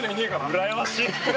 うらやましい。